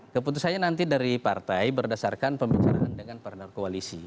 keputusannya nanti dari partai berdasarkan pembicaraan dengan partner koalisi